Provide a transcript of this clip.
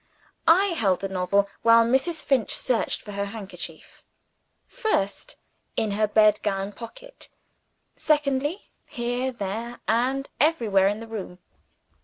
I held the novel, while Mrs. Finch searched for her handkerchief first in her bedgown pocket; secondly, here, there, and everywhere in the room.